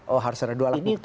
oh harus ada dua bukti itu